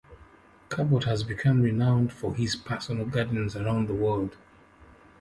Cabot has become renowned for his personal gardens around the world.